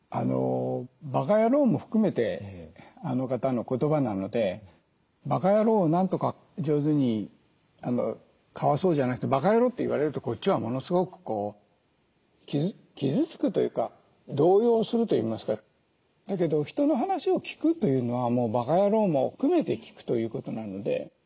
「ばか野郎」も含めてあの方の言葉なので「ばか野郎」をなんとか上手にかわそうじゃなくて「ばか野郎」って言われるとこっちはものすごく傷つくというか動揺するといいますかだけど人の話を聴くというのは「ばか野郎」も含めて聴くということなので。